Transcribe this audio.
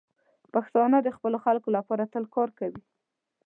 پښتانه د خپلو خلکو لپاره تل کار کوي.